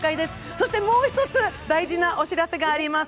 そしてもう一つ大事なお知らせがあります。